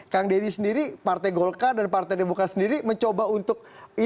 kang deddy sendiri partai golkar dan partai demokrasi sendiri mencoba untuk memilih rituan kamil